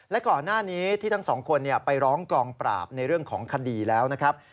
และก่อนหน้านี้ที่ทั้งสองคนไปร้องกองปราบในเรื่องของคดีแล้วนะครับ